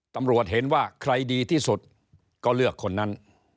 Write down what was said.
ตำรวจเห็นว่าใครดีที่สุดก็เลือกคนนั้น